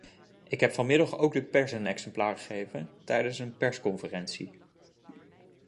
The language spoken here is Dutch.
Ik heb vanmiddag ook de pers een exemplaar gegeven, tijdens een persconferentie.